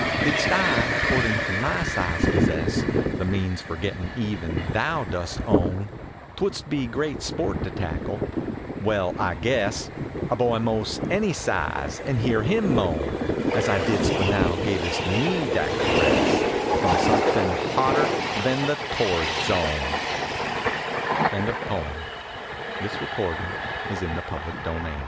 Didst I accordin to my size possess The means for gettin even thou dost own, Twouldst be great sport to tackle well, 1 guess 1 A boy most any size, and hear him moan As I didst when thou gavest me that caress From something hotter than the torrid zonel LINES WROTE ON A SUMMER DAY WHILST THINKIN OF A